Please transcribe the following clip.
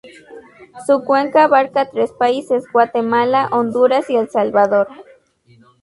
Su cuenca abarca tres países: Guatemala, Honduras y El Salvador.